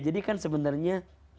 jadi kan sebenarnya